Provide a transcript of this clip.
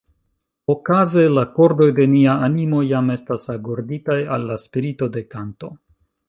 Okaze la kordoj de nia animo jam estas agorditaj al la spirito de kanto.